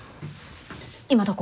今どこ？